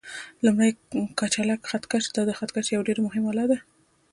لومړی: کچالک خط کش: دا د خط کشۍ یوه ډېره مهمه آله ده.